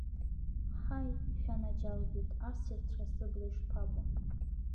Ҳаи, шәанаџьалбеит, ассирҵәҟьа сыбла ишԥабо!